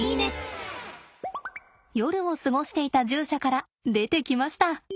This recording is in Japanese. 夜を過ごしていた獣舎から出てきました。